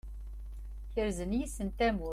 Kerzen yes-sen tamurt.